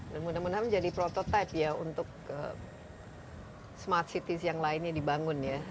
dan mudah mudahan menjadi prototype ya untuk smart cities yang lainnya dibangun ya